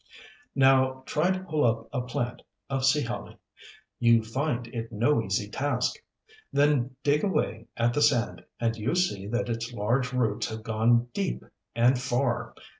Now try to pull up a plant of Sea Holly. You find it no easy task. Then dig away the sand, and you see that its large roots have gone deep and far.